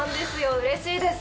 うれしいです。